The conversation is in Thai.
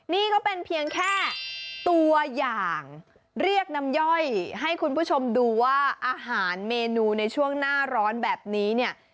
นี่ก็เป็นเพียงแค่ตัวอย่างเรียกน้ำย่อยให้คุณผู้ชมดูว่าอาหารเมนูในช่วงหน้าร้อนแบบนี้เนี่ย